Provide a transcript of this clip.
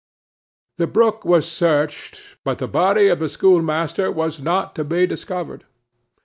The brook was searched, but the body of the schoolmaster was not to be discovered.